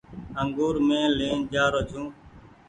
انگور مين لين جآ رو ڇو۔